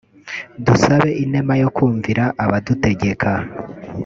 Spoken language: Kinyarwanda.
dusabe inema yo kumvira abadutegeka”